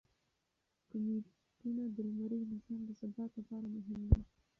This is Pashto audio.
کومیټونه د لمریز نظام د ثبات لپاره مهم دي.